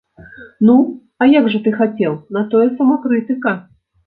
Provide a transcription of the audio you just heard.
Ну, а як жа ты хацеў, на тое самакрытыка.